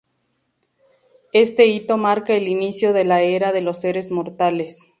Este hito marca el inicio de la era de los seres mortales.